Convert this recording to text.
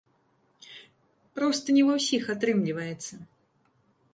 Проста не ва ўсіх атрымліваецца.